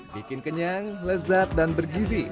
bikin kenyang lezat dan bergizi